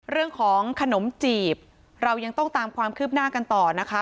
เรื่องของขนมจีบเรายังต้องตามความคืบหน้ากันต่อนะคะ